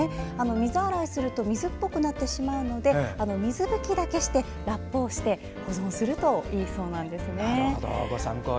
水洗いすると水っぽくなってしまうので水拭きだけして、ラップをして保存するといいそうです。